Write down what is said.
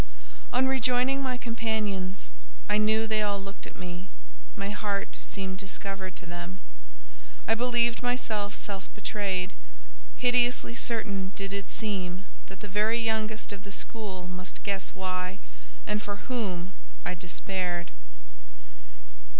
On rejoining my companions, I knew they all looked at me—my heart seemed discovered to them: I believed myself self betrayed. Hideously certain did it seem that the very youngest of the school must guess why and for whom I despaired.